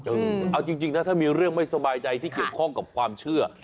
เอาจริงนะถ้ามีเรื่องไม่สบายใจที่เกี่ยวข้องกับความเชื่อ